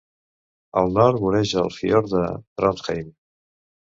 Al nord voreja el fiord de Trondheim.